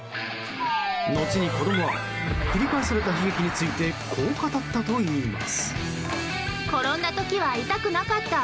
後に子供は繰り返された悲劇についてこう語ったといいます。